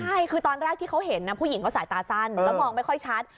ใช่คือตอนแรกที่เขาเห็นผู้หญิงเขาสายตาสั้นแล้วมองไม่ค่อยชัด